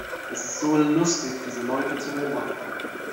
Es ist so lustig, diese Leute zu beobachten!